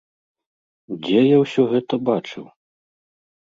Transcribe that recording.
Дзе я ўсё гэта бачыў?